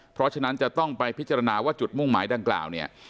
เพราะฉะนั้นจะต้องไปพิจารณาว่าจุดมุ่งหมายดังกล่าวเนี่ย